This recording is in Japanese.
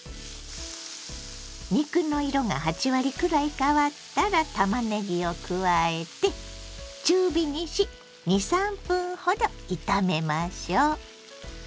肉の色が８割くらい変わったらたまねぎを加えて中火にし２３分ほど炒めましょう。